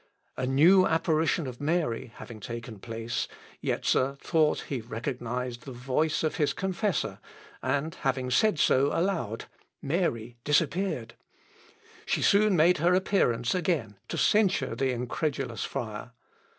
A new apparition of Mary having taken place, Jetzer thought he recognised the voice of his confessor, and having said so aloud, Mary disappeared. She soon made her appearance again, to censure the incredulous friar.